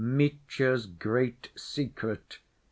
Mitya's Great Secret.